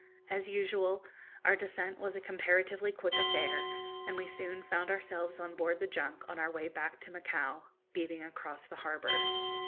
As usual, our descent was a comparatively quick affair, and we soon found ourselves on board the junk on our way back to Macao, beating across the harbour.